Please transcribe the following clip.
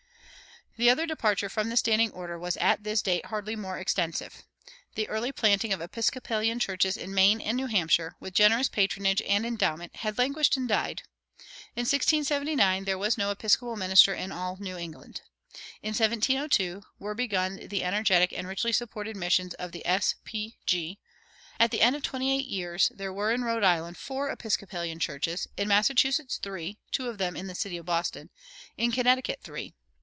[131:1] The other departure from the "standing order" was at this date hardly more extensive. The early planting of Episcopalian churches in Maine and New Hampshire, with generous patronage and endowment, had languished and died. In 1679 there was no Episcopal minister in all New England. In 1702 were begun the energetic and richly supported missions of the "S. P. G." At the end of twenty eight years there were in Rhode Island four Episcopalian churches; in Massachusetts, three, two of them in the city of Boston; in Connecticut, three.